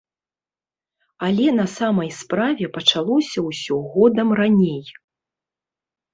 Але на самай справе пачалося ўсё годам раней.